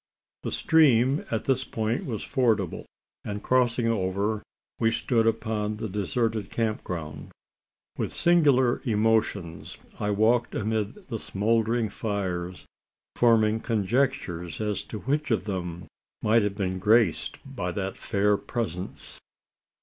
The stream at this point was fordable; and crossing over, we stood upon the deserted camp ground. With singular emotions, I walked amid the smouldering fires forming conjectures as to which of them might have been graced by that fair presence.